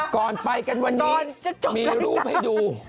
ก่อนไปกันวันนี้มีรูปให้ดู